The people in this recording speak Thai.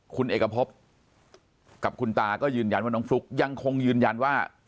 คุณเอกพบกับคุณตาก็ยืนยันว่าน้องฟลุ๊กยังคงยืนยันว่า